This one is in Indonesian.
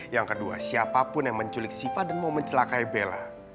yang kedua siapapun yang menculik siva dan mau mencelakai bella